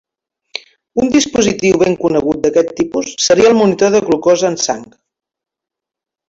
Un dispositiu ben conegut d"aquest tipus seria el monitor de glucosa en sang.